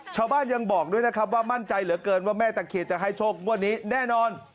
ชาวบ้านยังบอกด้วยนะครับว่ามั่นใจเหลือเกินว่าแม่ตะเคียนจะให้โชคงวดนี้แน่นอน